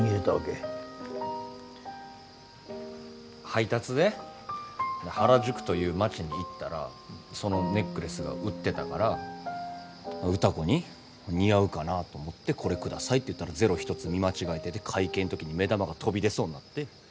配達で原宿という街に行ったらそのネックレスが売ってたから歌子に似合うかなと思って「これ下さい」って言ったらゼロ一つ見間違えてて会計の時に目玉が飛び出そうになって。